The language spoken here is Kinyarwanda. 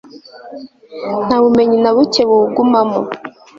nta bumenyi na buke buwugumamo